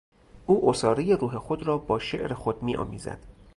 او عصارهی روح خود را با شعر خود میآمیزد.